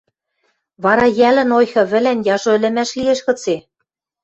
Вара йӓлӹн ойхы вӹлӓн яжо ӹлӹмӓш лиэш гыце?